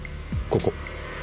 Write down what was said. ここ。